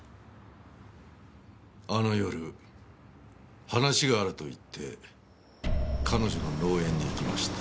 あの夜話があると言って彼女の農園に行きました。